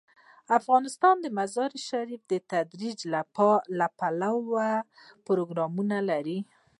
افغانستان د مزارشریف د ترویج لپاره پروګرامونه لري.